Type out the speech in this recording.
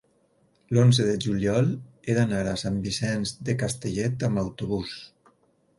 l'onze de juliol he d'anar a Sant Vicenç de Castellet amb autobús.